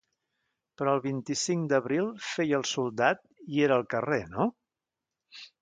Però el vint-i-cinc d'abril feia el soldat i era al carrer, no?